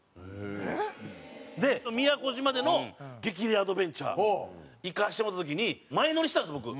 えっ！で宮古島での『激レア★アドベンチャー』行かせてもろうた時に前乗りしたんです僕。